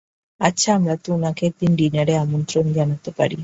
আচ্ছা আমরা তো উনাকে একদিন ডিনারে আমন্ত্রণ জানাতে পারি।